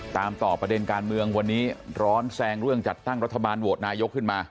ตามต่อประเด็นการเมืองวันนี้ร้อนแซงเรื่องจัดตั้งรัฐบาลโหวตนายกขึ้นมา